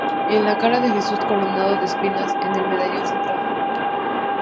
Y la cara de Jesús coronado de espinas en el medallón central.